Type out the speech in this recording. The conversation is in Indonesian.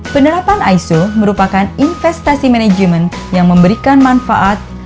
penerapan iso merupakan investasi manajemen yang memberikan manfaat